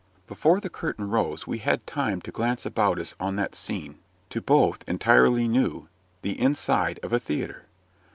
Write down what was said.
Before the curtain rose we had time to glance about us on that scene, to both entirely new the inside of a theatre.